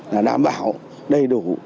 để đảm bảo đầy đủ